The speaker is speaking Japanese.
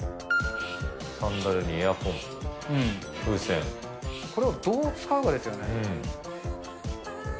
サンダルにエアポンプ、これをどう使うかですよね。